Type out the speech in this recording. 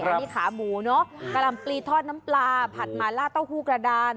อันนี้ขาหมูเนอะกะหล่ำปลีทอดน้ำปลาผัดหมาล่าเต้าหู้กระดาน